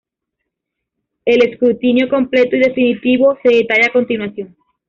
El escrutinio completo y definitivo se detalla a continuación.